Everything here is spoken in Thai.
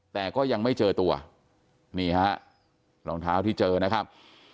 แต่ก็ยังไม่เจอตัวนี่ฮะรองเท้าที่เจอนะครับ